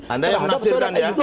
anda yang menafsir bang